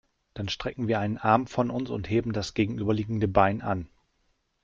Dann strecken wir einen Arm von uns und heben das gegenüberliegende Bein an.